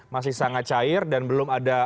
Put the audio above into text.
masih sangat cair dan belum ada